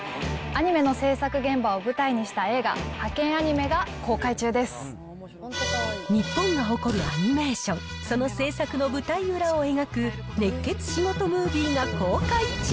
アニメの制作現場を舞台にした映画、ハケンアニメ！が公開中です日本が誇るアニメーション、その制作の舞台裏を描く熱血仕事ムービーが公開中。